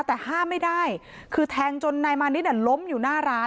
แต่ห้ามไม่ได้คือแทงจนนายมานิดล้มอยู่หน้าร้าน